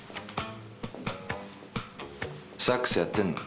サックスやってるの？